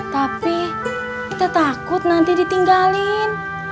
tapi kita takut nanti ditinggalin